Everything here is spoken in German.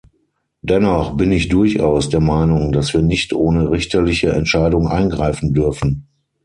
Dennoch bin ich durchaus der Meinung, dass wir nicht ohne richterliche Entscheidung eingreifen dürfen.